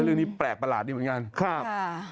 เรื่องนี้แปลกประหลาดดีเหมือนกัน